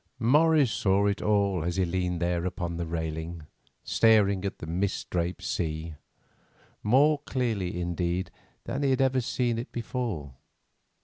Morris saw it all as he leaned there upon the railing, staring at the mist draped sea, more clearly, indeed, than he had ever seen it before.